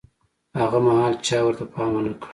هاغه مهال چا ورته پام ونه کړ.